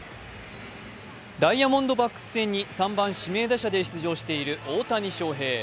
ダイヤモンドバックス戦に３番指名打者で出場している大谷翔平。